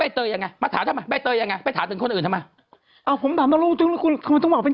ที่นี่พี่เหยียบอย่างนุ่มผิดตรงไหน